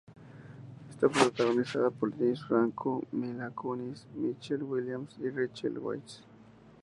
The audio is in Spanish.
Está protagonizada por James Franco, Mila Kunis, Michelle Williams y Rachel Weisz.